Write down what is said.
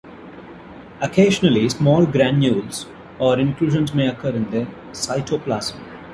Occasionally, small granules or inclusions may occur in the cytoplasm.